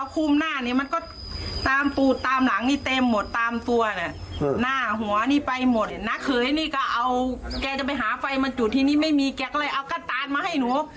แกจะไปหาไฟมาจุดที่นี่ไม่มีแกก็เลยเอาก้านตานมาให้หนู